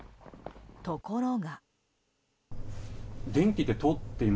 ところが。